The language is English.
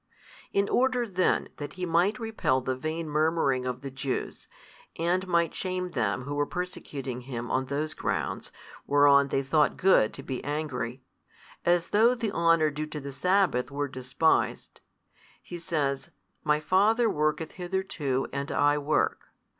In order then that He might repel the vain murmuring of the Jews and might shame them who were persecuting Him on those grounds whereon they thought good |244 to be angry, as though the honour due to the sabbath were despised. He says, My Father worketh hitherto and I work.